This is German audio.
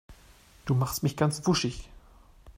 Du machst mich ganz wuschig.